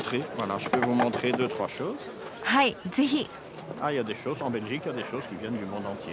はいぜひ。